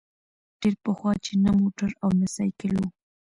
ډېر پخوا چي نه موټر او نه سایکل وو